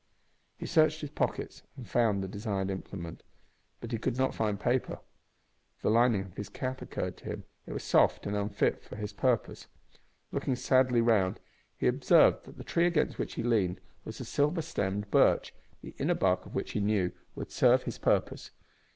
He searched his pockets and found the desired implement, but he could not find paper. The lining of his cap occurred to him; it was soft and unfit for his purpose. Looking sadly round, he observed that the tree against which he leaned was a silver stemmed birch, the inner bark of which, he knew, would serve his purpose.